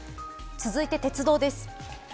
続いて鉄道です。